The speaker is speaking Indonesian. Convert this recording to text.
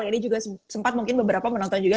ini juga sempat mungkin beberapa menonton juga